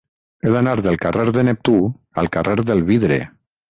He d'anar del carrer de Neptú al carrer del Vidre.